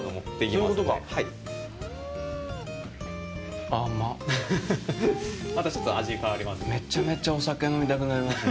またちょっと味が変わりますね。